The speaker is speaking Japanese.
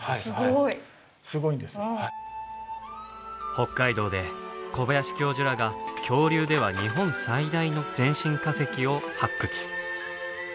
北海道で小林教授らが恐竜では日本最大の全身化石を発掘。